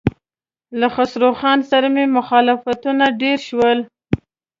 له خسرو خان سره مخالفتونه ډېر شول.